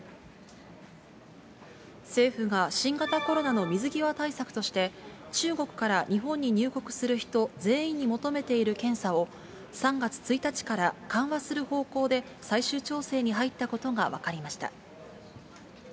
政府が新型コロナの水際対策として、中国から日本に入国する人全員に求めている検査を、３月１日から緩和する方向で最終調整に入ったことが分かりました。